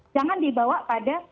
jangan dibawa pada